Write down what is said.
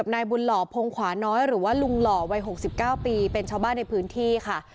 นายบุญหล่อพงขวาน้อยหรือว่าลุงหล่อวัย๖๙ปีเป็นชาวบ้านในพื้นที่ค่ะ